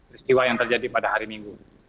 peristiwa yang terjadi pada hari minggu